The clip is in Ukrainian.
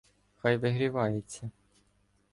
Хай вигрівається.